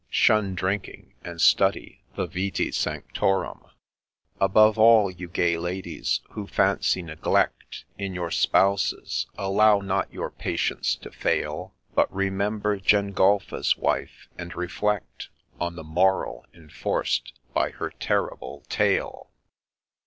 Shun drinking, — and study the ' Vitce Sanctorum /' Above all, you gay ladies, who fancy neglect In your spouses, allow not your patience to fail ; But remember Gengulphus's wife !— and reflect On the moral enforced by her terrible tale